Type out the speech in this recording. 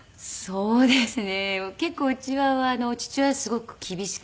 そうですね。